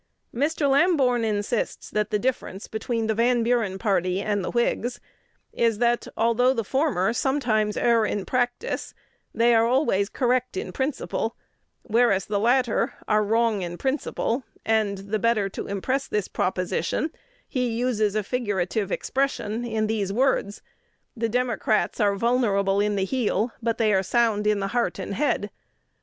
"Mr. Lamborn insists that the difference between the Van Buren party and the Whigs is, that, although the former sometimes err in practice, they are always correct in principle, whereas the latter are wrong in principle; and, the better to impress this proposition, he uses a figurative expression in these words: 'The Democrats are vulnerable in the heel, but they are sound in the heart and head.'